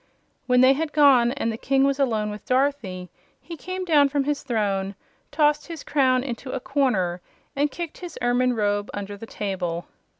When they had gone and the King was alone with Dorothy he came down from his throne, tossed his crown into a corner and kicked his ermine robe under the table.